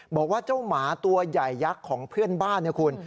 บอกว่าเจ้าหมาตัวใหญ่ยักษ์ของเพื่อนบ้าน